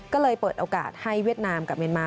ก็เลยเปิดโอกาสให้เวียดนามกับเมียนมา